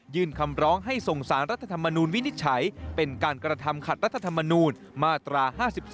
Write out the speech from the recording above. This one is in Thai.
คำร้องให้ส่งสารรัฐธรรมนูลวินิจฉัยเป็นการกระทำขัดรัฐธรรมนูญมาตรา๕๒